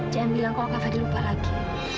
jangan bilang kok kak fadil lupa lagi